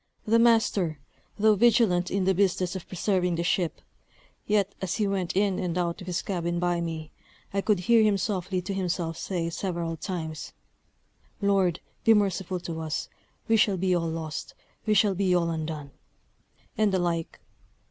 The master, though vigilant in the business of preserving the ship, yet as he went in and out of his cabin by me, I could hear him softly to himself say, several times, "Lord, be merciful to us! we shall be all lost; we shall be all undone!" and the like.